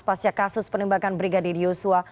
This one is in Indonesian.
pasca kasus penembakan brigadir yosua